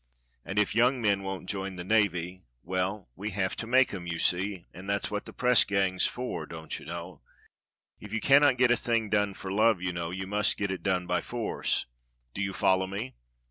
And if young men won't join the navy — well, we have to make 'em, you see, and that's what the press gang's for, don't you know? If you cannot get a thing done for love, you know, you must get it done by force. Do you follow me?"